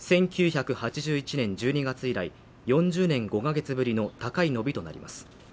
１９８１年１２月以来４０年５か月ぶりの高い伸びとなります